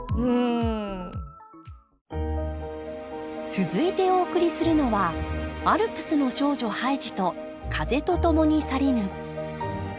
続いてお送りするのは「アルプスの少女ハイジ」と「風と共に去りぬ」